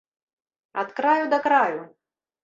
Ад краю да краю!